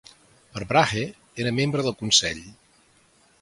Per Brahe era membre del consell.